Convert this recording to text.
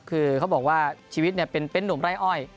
คือเขาบอกว่าชีวิตเป็นนุ่มไร่อ้อย